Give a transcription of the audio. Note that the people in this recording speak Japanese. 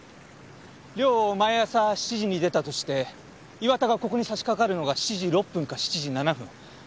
寮を毎朝７時に出たとして岩田がここに差しかかるのが７時６分か７時７分。